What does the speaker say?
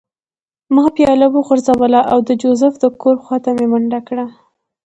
ما پیاله وغورځوله او د جوزف د کور خوا ته مې منډه کړه